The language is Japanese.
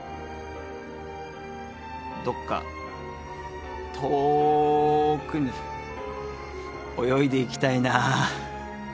どっかとおくに泳いでいきたいな。